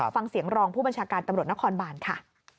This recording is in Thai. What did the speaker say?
ฟังเสียงรองผู้บัญชาการตำรวจนครบานค่ะ